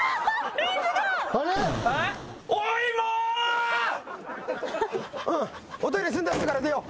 おトイレ済んだ人から出よう。